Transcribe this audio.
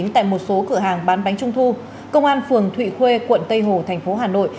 tại một số cửa hàng bán bánh trung thu công an phường thụy khuê quận tây hồ thành phố hà nội